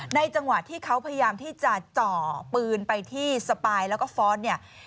จังหวะที่เขาพยายามที่จะเจาะปืนไปที่สปายแล้วก็ฟ้อนเนี่ย